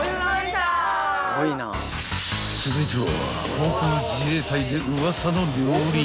［続いては］